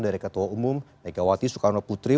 dari ketua umum megawati soekarno putri